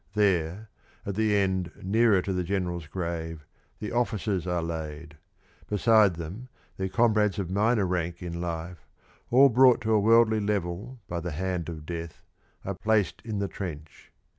There, at the end nearer to the General's grave, the officers are laid. Beside them their comrades of minor rank in life, all brought to a worldly level by the hand of death, are placed in the trench.